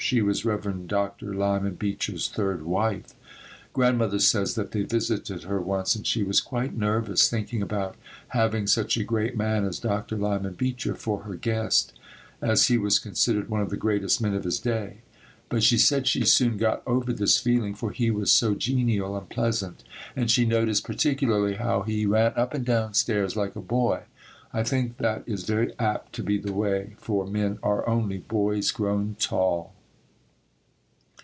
She was Rev. Dr. Lyman Beecher's third wife. Grandmother says that they visited her once and she was quite nervous thinking about having such a great man as Dr. Lyman Beecher for her guest, as he was considered one of the greatest men of his day, but she said she soon got over this feeling, for he was so genial and pleasant and she noticed particularly how he ran up and down stairs like a boy. I think that is very apt to be the way for "men are only boys grown tall."